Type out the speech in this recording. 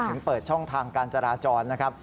ถึงเปิดช่องทางการจราจรนะครับ